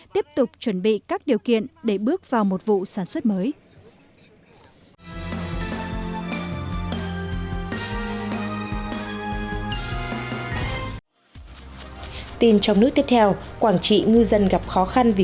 tiếp tục chuẩn bị các điều kiện để bước vào một vụ sản xuất mới